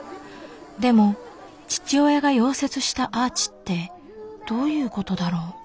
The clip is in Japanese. でも父親が溶接したアーチってどういうことだろう。